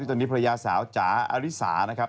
ตอนนี้ภรรยาสาวจ๋าอาริสานะครับ